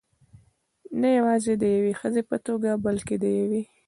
نه یوازې د یوې ښځې په توګه، بلکې د یوې .